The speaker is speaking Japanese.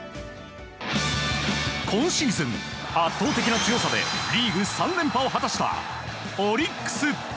今シーズン、圧倒的な強さでリーグ３連覇を果たしたオリックス。